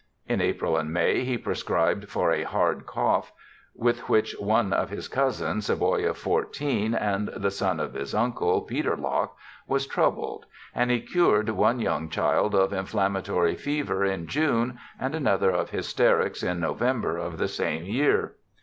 In April and May he prescribed for a hard cough with which one of his cousins, a boy of fourteen, and the son of his uncle, Peter Locke, was troubled, and he cured one young child of inflammatory fever in June and another of hysterics in November of the same year.